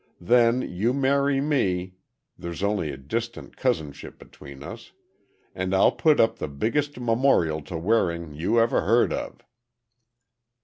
Then, you marry me—there's only a distant cousinship between us—and I'll put up the biggest memorial to Waring you ever heard of."